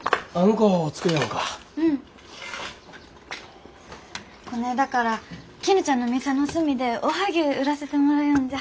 こねえだからきぬちゃんの店の隅でおはぎゅう売らせてもらよんじゃ。